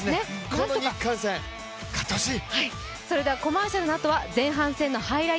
この日韓戦、勝ってほしい。